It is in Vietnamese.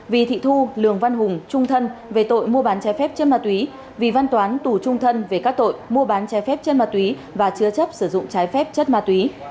vì thị thu lường văn hùng trung thân về tội mua bán trái phép chất ma túy vì văn toán tù trung thân về các tội mua bán trái phép chân ma túy và chứa chấp sử dụng trái phép chất ma túy